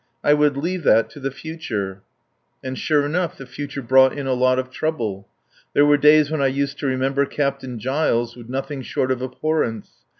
I would leave that to the future. And, sure enough, the future brought in a lot of trouble. There were days when I used to remember Captain Giles with nothing short of abhorrence.